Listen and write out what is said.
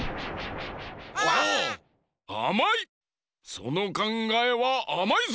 そのかんがえはあまいぞ！